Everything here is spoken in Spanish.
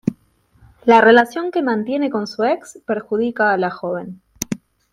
La relación que mantiene con su ex perjudica a la joven.